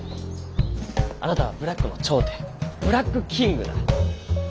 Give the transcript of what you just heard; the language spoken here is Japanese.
あなたはブラックの頂点ブラックキングだ。